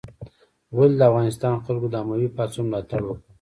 ولې د افغانستان خلکو د اموي پاڅون ملاتړ وکړ؟